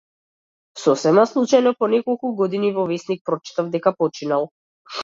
Сосема случајно, по неколку години, во весник прочитав дека починал.